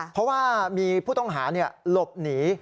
เพราะว่ามีผู้ต้องหาหลบหนี